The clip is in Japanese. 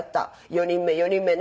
４人目４人目ね。